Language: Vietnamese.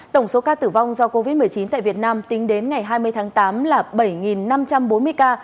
tổng số ca tử vong do covid một mươi chín tại việt nam tính đến ngày hai mươi tháng tám là bảy năm trăm bốn mươi ca